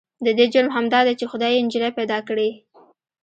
د دې جرم همدا دی چې خدای يې نجلې پيدا کړې.